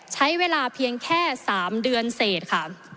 ใช้เวลาเพียงแค่๓เดือนเศษค่ะ